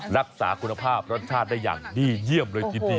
รักษาคุณภาพรสชาติได้อย่างดีเยี่ยมเลยทีเดียว